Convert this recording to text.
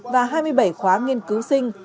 và hai mươi bảy khóa nghiên cứu sinh